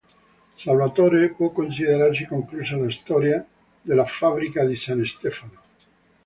Salvatore, può considerarsi conclusa la storia della “Fabbrica di S. Stefano”.